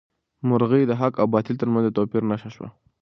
مرغۍ د حق او باطل تر منځ د توپیر نښه شوه.